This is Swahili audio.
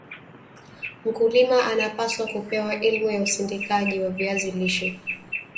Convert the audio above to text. mkulima anapaswa kupewa elimu ya usindikaji wa viazi lishe